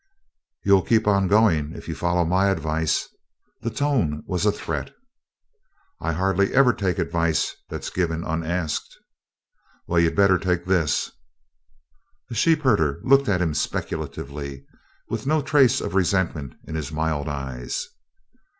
"You'll keep on going, if you follow my advice." The tone was a threat. "I hardly ever take advice that's given unasked." "Well you'd better take this." The sheepherder looked at him speculatively, with no trace of resentment in his mild eyes.